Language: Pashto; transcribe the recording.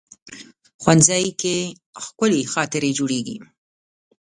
ښوونځی کې ښکلي خاطرې جوړېږي